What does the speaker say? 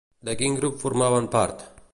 De quin grup formaven part?